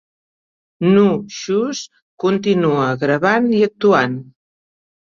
Nu Shooz continua gravant i actuant.